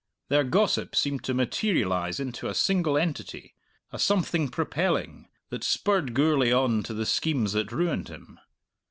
Their gossip seemed to materialize into a single entity, a something propelling, that spurred Gourlay on to the schemes that ruined him.